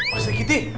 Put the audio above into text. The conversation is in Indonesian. pak sri kiti